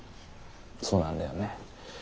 そうなんだよね。